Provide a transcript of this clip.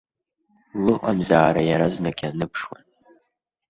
Лыҟамзаара иаразнак иааныԥшуан.